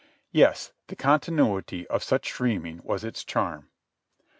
Yes, the continuity of such dreaming was its charm.